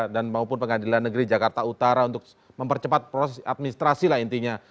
dan maupun pengadilan negeri jakarta utara untuk mempercepat proses administrasi lah intinya